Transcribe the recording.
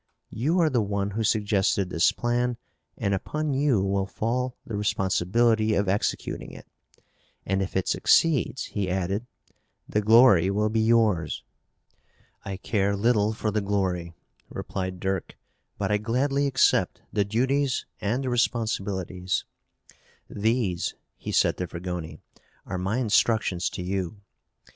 You are the one who suggested this plan and upon you will fall the responsibility of executing it. And, if it succeeds," he added, "the glory will be yours." "I care little for the glory," replied Dirk, "but I gladly accept the duties and the responsibilities. These," he said to Fragoni, "are my instructions to you.